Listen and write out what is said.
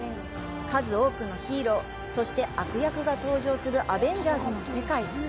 数多くのヒーロー、そして、悪役が登場する「アベンジャーズ」の世界。